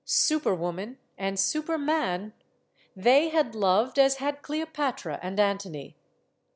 Super woman and super man, they had loved as had Cleopatra and Antony.